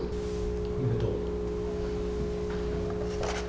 おめでとう。